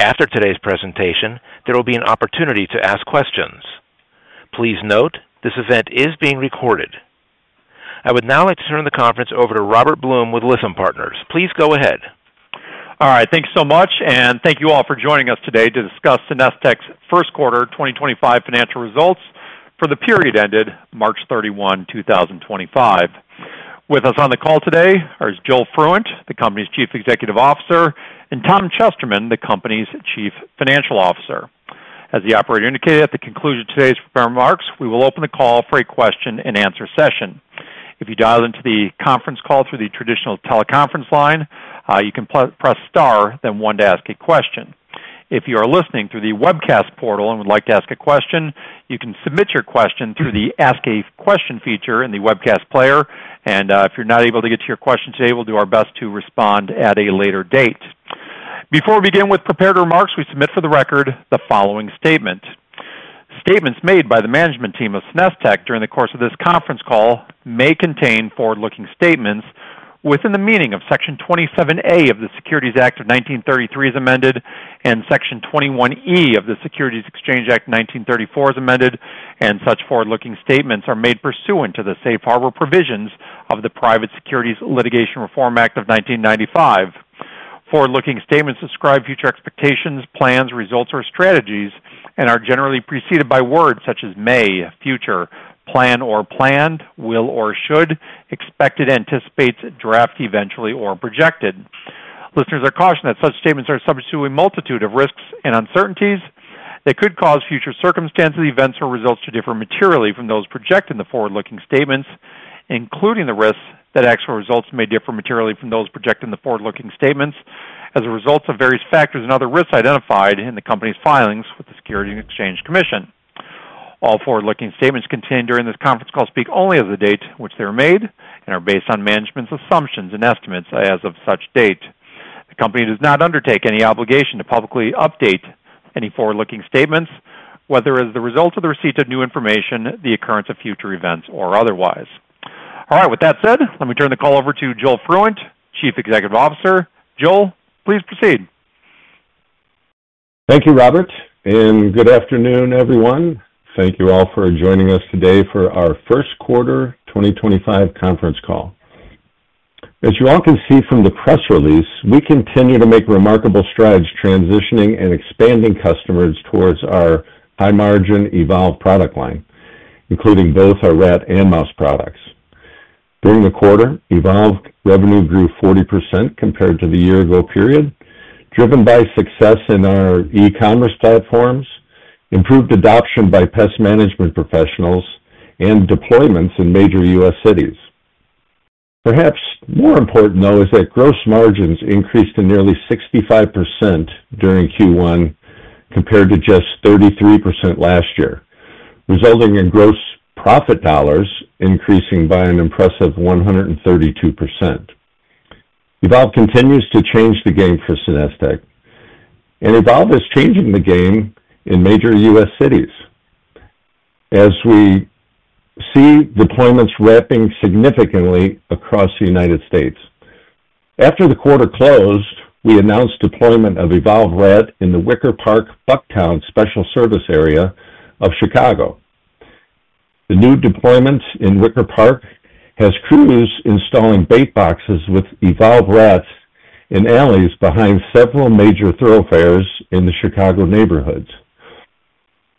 After today's presentation, there will be an opportunity to ask questions. Please note, this event is being recorded. I would now like to turn the conference over to Robert Blum with Lytham Partners. Please go ahead. All right. Thanks so much, and thank you all for joining us today to discuss SenesTech's First Quarter 2025 Financial Results for the period ended March 31, 2025. With us on the call today are Joel Fruendt, the company's Chief Executive Officer, and Tom Chesterman, the company's Chief Financial Officer. As the operator indicated at the conclusion of today's remarks, we will open the call for a question-and-answer session. If you dial into the conference call through the traditional teleconference line, you can press star, then one to ask a question. If you are listening through the webcast portal and would like to ask a question, you can submit your question through the Ask a Question feature in the webcast player, and if you're not able to get to your question today, we'll do our best to respond at a later date. Before we begin with prepared remarks, we submit for the record the following statement. Statements made by the management team of SenesTech during the course of this conference call may contain forward-looking statements within the meaning of Section 27A of the Securities Act of 1933 as amended, and Section 21E of the Securities Exchange Act of 1934 as amended, and such forward-looking statements are made pursuant to the safe harbor provisions of the Private Securities Litigation Reform Act of 1995. Forward-looking statements describe future expectations, plans, results, or strategies, and are generally preceded by words such as may, future, plan or planned, will or should, expected, anticipates, draft, eventually, or projected. Listeners are cautioned that such statements are subject to a multitude of risks and uncertainties that could cause future circumstances, events, or results to differ materially from those projected in the forward-looking statements, including the risks that actual results may differ materially from those projected in the forward-looking statements as a result of various factors and other risks identified in the company's filings with the Securities and Exchange Commission. All forward-looking statements contained during this conference call speak only as of the date in which they were made and are based on management's assumptions and estimates as of such date. The company does not undertake any obligation to publicly update any forward-looking statements, whether as the result of the receipt of new information, the occurrence of future events, or otherwise. All right. With that said, let me turn the call over to Joel Fruendt, Chief Executive Officer. Joel, please proceed. Thank you, Robert, and good afternoon, everyone. Thank you all for joining us today for our First Quarter 2025 Conference Call. As you all can see from the Press Release, we continue to make remarkable strides transitioning and expanding customers towards our high-margin Evolve product line, including both our rat and mouse products. During the quarter, Evolve revenue grew 40% compared to the year-ago period, driven by success in our e-commerce platforms, improved adoption by Pest Management Professionals, and deployments in major U.S. cities. Perhaps more important, though, is that gross margins increased to nearly 65% during Q1 compared to just 33% last year, resulting in gross profit dollars increasing by an impressive 132%. Evolve continues to change the game for SenesTech, and Evolve is changing the game in major U.S. cities as we see deployments ramping significantly across the United States. After the quarter closed, we announced deployment of Evolve Rat in the Wicker Park Bucktown Special Service area of Chicago. The new deployment in Wicker Park has crews installing bait boxes with Evolve Rat in alleys behind several major thoroughfares in the Chicago neighborhoods.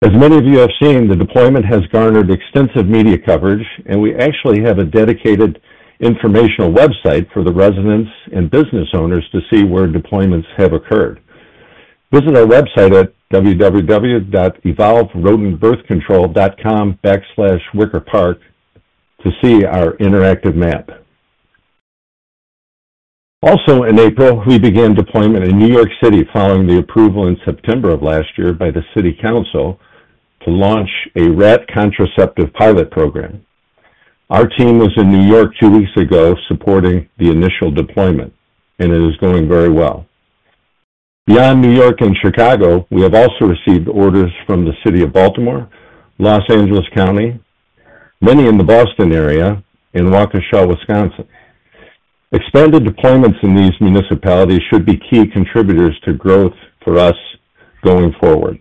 As many of you have seen, the deployment has garnered extensive media coverage, and we actually have a dedicated informational website for the residents and business owners to see where deployments have occurred. Visit our website at www.evolve-birthcontrol.com/wickerpark to see our interactive map. Also, in April, we began deployment in New York City following the approval in September of last year by the city council to launch a rat contraceptive pilot program. Our team was in New York two weeks ago supporting the initial deployment, and it is going very well. Beyond New York City and Chicago, we have also received orders from the city of Baltimore, Los Angeles County, many in the Boston area, and Waukesha, Wisconsin. Expanded deployments in these municipalities should be key contributors to growth for us going forward.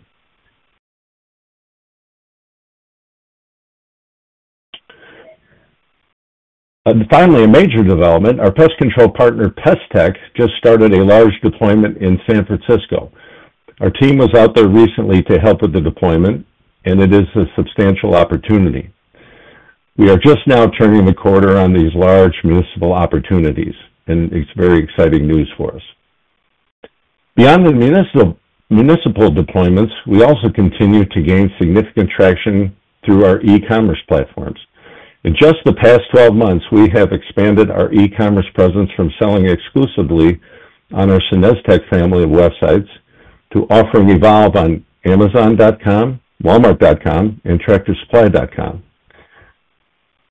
Finally, a major development: our pest control partner, Pest Tech, just started a large deployment in San Francisco. Our team was out there recently to help with the deployment, and it is a substantial opportunity. We are just now turning the corner on these large municipal opportunities, and it's very exciting news for us. Beyond the municipal deployments, we also continue to gain significant traction through our e-commerce platforms. In just the past 12 months, we have expanded our e-commerce presence from selling exclusively on our SenesTech family of websites to offering Evolve on Amazon.com, Walmart.com, and Tractor Supply.com.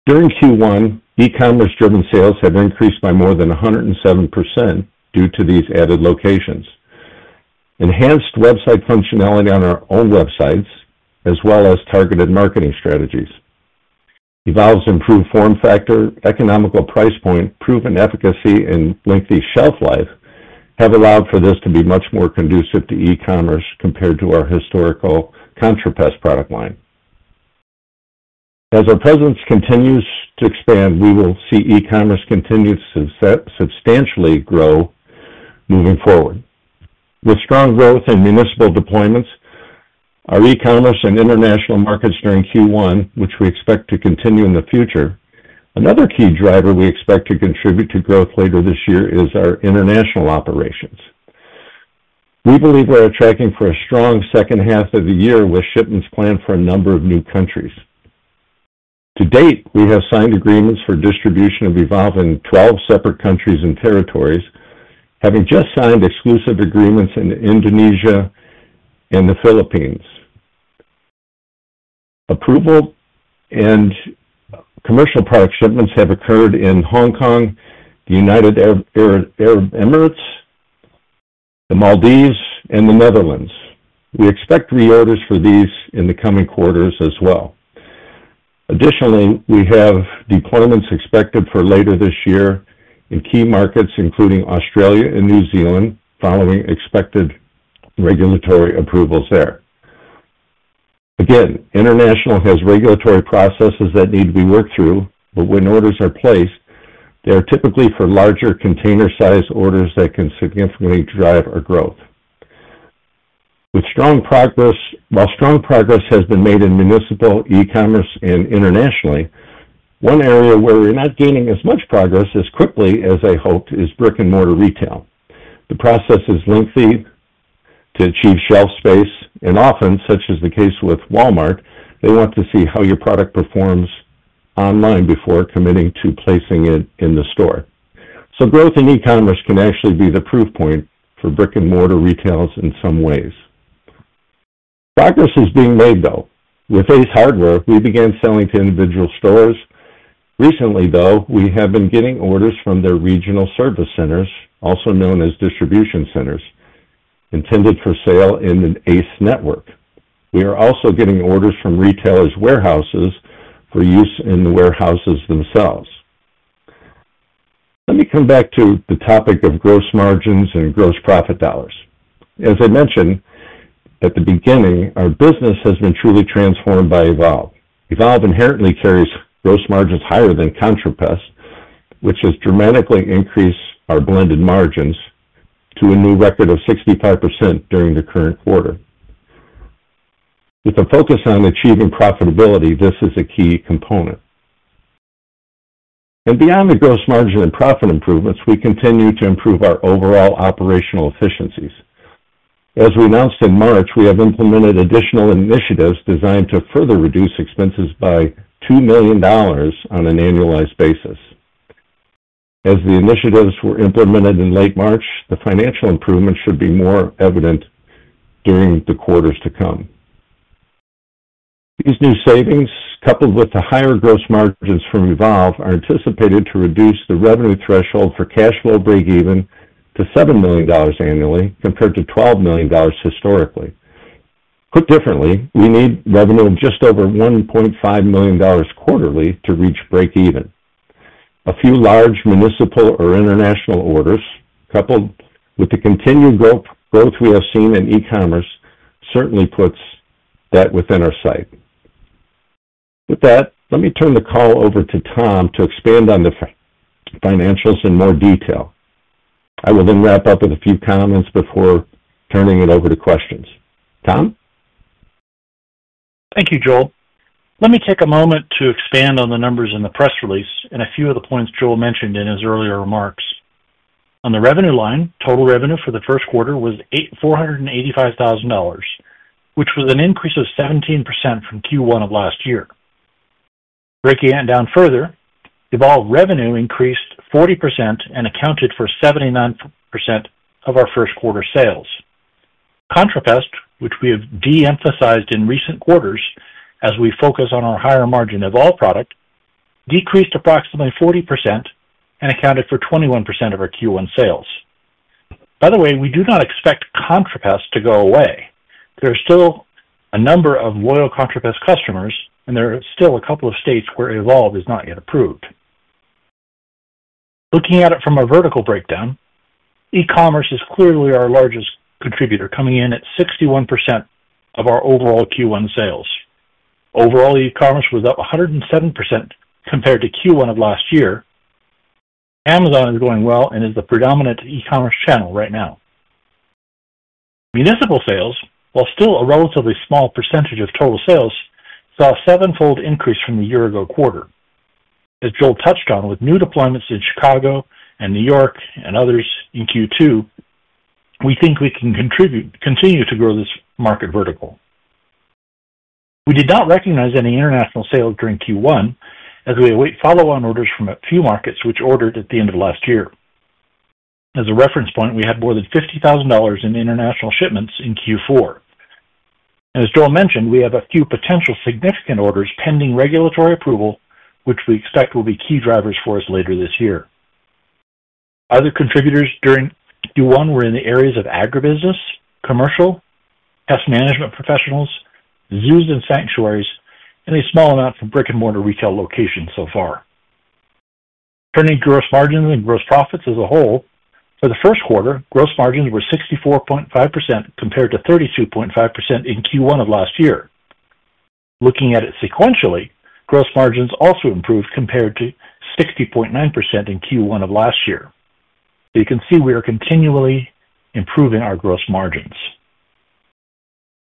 During Q1, e-commerce-driven sales have increased by more than 107% due to these added locations, enhanced website functionality on our own websites, as well as targeted marketing strategies. Evolve's improved form factor, economical price point, proven efficacy, and lengthy shelf life have allowed for this to be much more conducive to e-commerce compared to our historical ContraPest product line. As our presence continues to expand, we will see e-commerce continue to substantially grow moving forward. With strong growth in municipal deployments, our e-commerce and International Markets during Q1, which we expect to continue in the future, another key driver we expect to contribute to growth later this year is our International Operations. We believe we're tracking for a strong second half of the year with shipments planned for a number of new countries. To date, we have signed agreements for distribution of Evolve in 12 separate countries and territories, having just signed exclusive agreements in Indonesia and the Philippines. Approval and commercial product shipments have occurred in Hong Kong, the United Arab Emirates, the Maldives, and the Netherlands. We expect reorders for these in the coming quarters as well. Additionally, we have deployments expected for later this year in key markets, including Australia and New Zealand, following expected regulatory approvals there. Again, international has regulatory processes that need to be worked through, but when orders are placed, they are typically for larger container-sized orders that can significantly drive our growth. While strong progress has been made in municipal e-commerce and internationally, one area where we're not gaining as much progress as quickly as I hoped is brick-and-mortar retail. The process is lengthy to achieve shelf space, and often, such as the case with Walmart, they want to see how your product performs online before committing to placing it in the store. Growth in e-commerce can actually be the proof point for brick-and-mortar retails in some ways. Progress is being made, though. With ACE Hardware, we began selling to individual stores. Recently, though, we have been getting orders from their regional service centers, also known as Distribution Centers, intended for sale in an ACE network. We are also getting orders from retailers' warehouses for use in the warehouses themselves. Let me come back to the topic of gross margins and gross profit dollars. As I mentioned at the beginning, our business has been truly transformed by Evolve. Evolve inherently carries gross margins higher than ContraPest, which has dramatically increased our blended margins to a new record of 65% during the current quarter. With a focus on achieving profitability, this is a key component. Beyond the gross margin and profit improvements, we continue to improve our overall operational efficiencies. As we announced in March, we have implemented additional initiatives designed to further reduce expenses by $2 million on an annualized basis. As the initiatives were implemented in late March, the financial improvements should be more evident during the quarters to come. These new savings, coupled with the higher gross margins from Evolve, are anticipated to reduce the revenue threshold for cash flow break-even to $7 million annually compared to $12 million historically. Put differently, we need revenue of just over $1.5 million quarterly to reach break-even. A few large municipal or international orders, coupled with the continued growth we have seen in e-commerce, certainly puts that within our sight. With that, let me turn the call over to Tom to expand on the financials in more detail. I will then wrap up with a few comments before turning it over to questions. Tom? Thank you, Joel. Let me take a moment to expand on the numbers in the Press Release and a few of the points Joel mentioned in his earlier remarks. On the revenue line, total revenue for the first quarter was $485,000, which was an increase of 17% from Q1 of last year. Breaking it down further, Evolve revenue increased 40% and accounted for 79% of our first quarter sales. ContraPest, which we have de-emphasized in recent quarters as we focus on our higher margin Evolve product, decreased approximately 40% and accounted for 21% of our Q1 sales. By the way, we do not expect ContraPest to go away. There are still a number of loyal ContraPest customers, and there are still a couple of states where Evolve is not yet approved. Looking at it from a vertical breakdown, e-commerce is clearly our largest contributor, coming in at 61% of our overall Q1 sales. Overall e-commerce was up 107% compared to Q1 of last year. Amazon is going well and is the predominant e-commerce channel right now. Municipal sales, while still a relatively small percentage of total sales, saw a seven-fold increase from the year-ago quarter. As Joel touched on, with new deployments in Chicago and New York City and others in Q2, we think we can continue to grow this market vertical. We did not recognize any international sales during Q1 as we await follow-on orders from a few markets which ordered at the end of last year. As a reference point, we had more than $50,000 in international shipments in Q4. As Joel mentioned, we have a few potential significant orders pending regulatory approval, which we expect will be key drivers for us later this year. Other contributors during Q1 were in the areas of agribusiness, commercial, Pest Management Professionals, zoos and sanctuaries, and a small amount from brick-and-mortar retail locations so far. Turning to gross margins and gross profits as a whole, for the first quarter, gross margins were 64.5% compared to 32.5% in Q1 of last year. Looking at it sequentially, gross margins also improved compared to 60.9% in Q1 of last year. You can see we are continually improving our gross margins.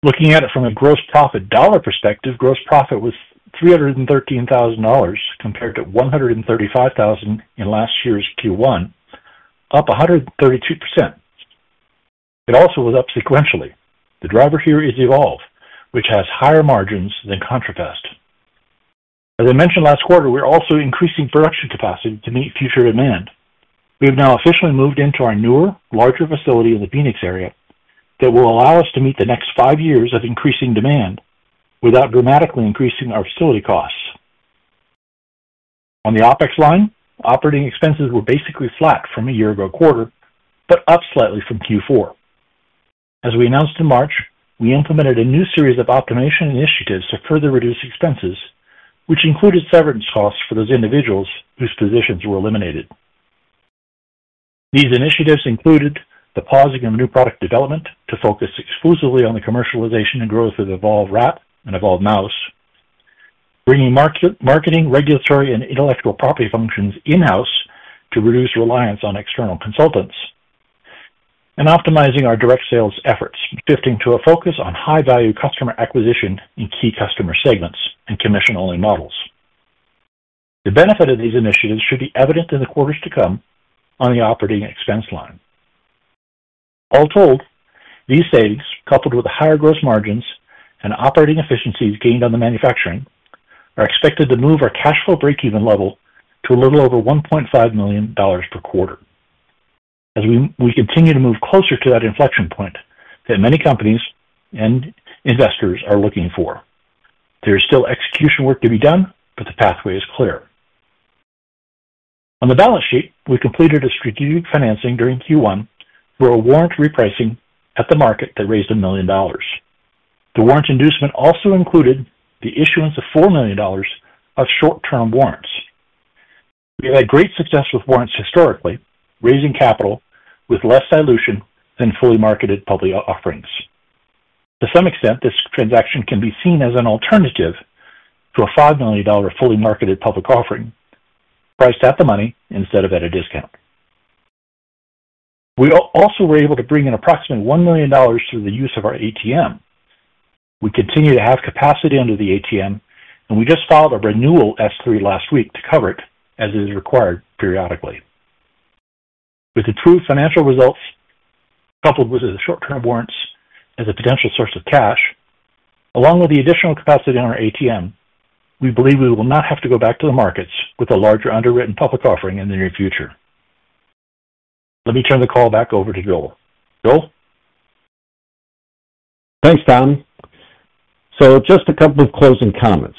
Looking at it from a gross profit dollar perspective, gross profit was $313,000 compared to $135,000 in last year's Q1, up 132%. It also was up sequentially. The driver here is Evolve, which has higher margins than ContraPest. As I mentioned last quarter, we're also increasing production capacity to meet future demand. We have now officially moved into our newer, larger facility in the Phoenix area that will allow us to meet the next five years of increasing demand without dramatically increasing our facility costs. On the OpEx line, operating expenses were basically flat from a year-ago quarter, but up slightly from Q4. As we announced in March, we implemented a new series of optimization initiatives to further reduce expenses, which included severance costs for those individuals whose positions were eliminated. These initiatives included the pausing of new product development to focus exclusively on the commercialization and growth of Evolve Rat and Evolve Mouse, bringing marketing, regulatory, and intellectual property functions in-house to reduce reliance on external consultants, and optimizing our direct sales efforts, shifting to a focus on high-value customer acquisition in key customer segments and commission-only models. The benefit of these initiatives should be evident in the quarters to come on the operating expense line. All told, these savings, coupled with the higher gross margins and operating efficiencies gained on the manufacturing, are expected to move our cash flow break-even level to a little over $1.5 million per quarter. As we continue to move closer to that inflection point that many companies and investors are looking for, there is still execution work to be done, but the pathway is clear. On the balance sheet, we completed a strategic financing during Q1 for a warrant repricing at the market that raised $1 million. The warrant inducement also included the issuance of $4 million of short-term warrants. We have had great success with warrants historically, raising capital with less dilution than fully marketed public offerings. To some extent, this transaction can be seen as an alternative to a $5 million fully marketed public offering, priced at the money instead of at a discount. We also were able to bring in approximately $1 million through the use of our ATM. We continue to have capacity under the ATM, and we just filed a renewal S-3 last week to cover it as it is required periodically. With the true financial results coupled with the short-term warrants as a potential source of cash, along with the additional capacity on our ATM, we believe we will not have to go back to the markets with a larger underwritten public offering in the near future. Let me turn the call back over to Joel. Joel? Thanks, Tom. Just a couple of closing comments.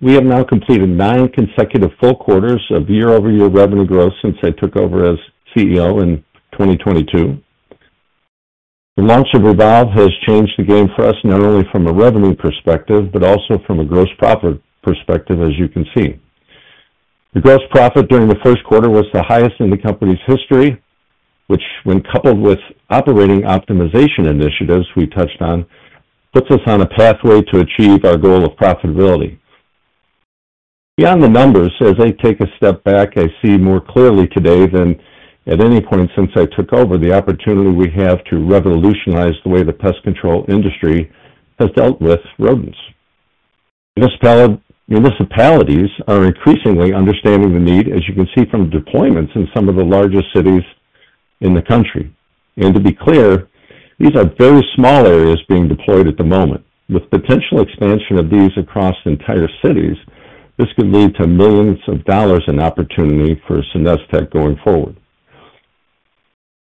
We have now completed nine consecutive full quarters of year-over-year revenue growth since I took over as CEO in 2022. The launch of Evolve has changed the game for us, not only from a revenue perspective but also from a gross profit perspective, as you can see. The gross profit during the first quarter was the highest in the company's history, which, when coupled with operating optimization initiatives we touched on, puts us on a pathway to achieve our goal of profitability. Beyond the numbers, as I take a step back, I see more clearly today than at any point since I took over the opportunity we have to revolutionize the way the pest control industry has dealt with rodents. Municipalities are increasingly understanding the need, as you can see from deployments in some of the largest cities in the country. To be clear, these are very small areas being deployed at the moment. With potential expansion of these across entire cities, this could lead to millions of dollars in opportunity for SenesTech going forward.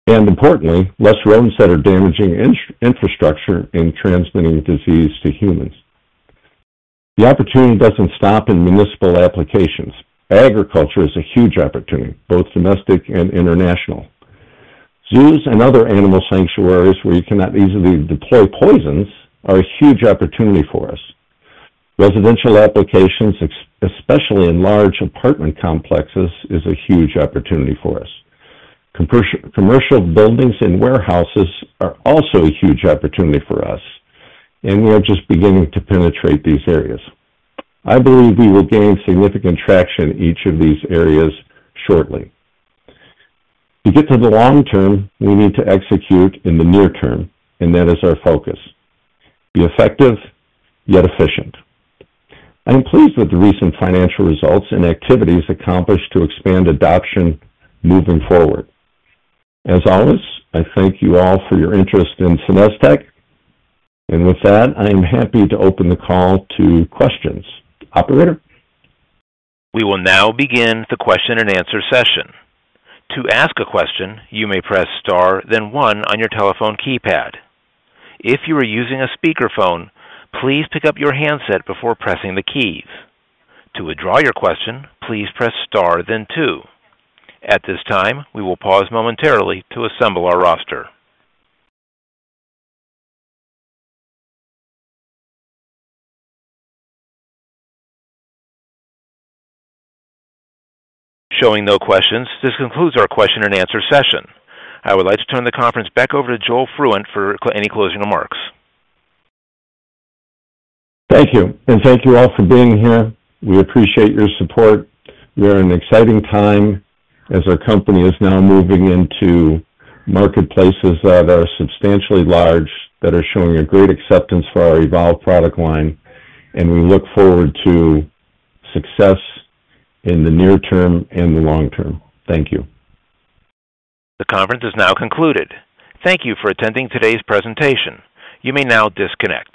Importantly, less rodents that are damaging infrastructure and transmitting disease to humans. The opportunity does not stop in municipal applications. Agriculture is a huge opportunity, both domestic and international. Zoos and other animal sanctuaries where you cannot easily deploy poisons are a huge opportunity for us. Residential applications, especially in large apartment complexes, are a huge opportunity for us. Commercial buildings and warehouses are also a huge opportunity for us, and we are just beginning to penetrate these areas. I believe we will gain significant traction in each of these areas shortly. To get to the long term, we need to execute in the near term, and that is our focus: be effective yet efficient. I'm pleased with the recent financial results and activities accomplished to expand adoption moving forward. As always, I thank you all for your interest in SenesTech, and with that, I am happy to open the call to questions. Operator? We will now begin the question-and-answer session. To ask a question, you may press star, then one on your telephone keypad. If you are using a speakerphone, please pick up your handset before pressing the keys. To withdraw your question, please press star, then two. At this time, we will pause momentarily to assemble our roster. Showing no questions, this concludes our question-and-answer session. I would like to turn the conference back over to Joel Fruendt for any closing remarks. Thank you, and thank you all for being here. We appreciate your support. We are in an exciting time as our company is now moving into marketplaces that are substantially large, that are showing a great acceptance for our Evolve product line, and we look forward to success in the near term and the long term. Thank you. The conference is now concluded. Thank you for attending today's presentation. You may now disconnect.